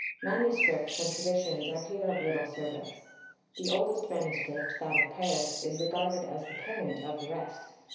Manuscripts and traditions are here of little service. The oldest manuscript, that of Paris, is regarded as the parent of the rest.